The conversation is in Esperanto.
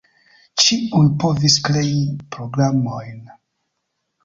Ĉiuj povis krei programojn.